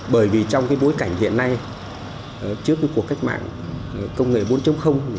bởi vì trong bối cảnh hiện nay trước cuộc cách mạng công nghệ bốn